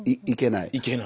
行けない？